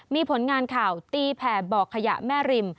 มีผลงานข่าวตีแผ่บ่อขยะแม่ริม